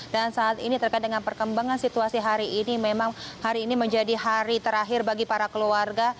dan saat ini terkait dengan perkembangan situasi hari ini memang hari ini menjadi hari terakhir bagi para keluarga